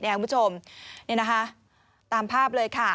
นี่นะคะตามภาพเลยค่ะ